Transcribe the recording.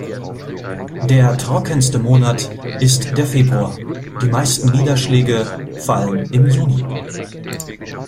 Der trockenste Monate ist der Februar, die meisten Niederschläge fallen im Juni.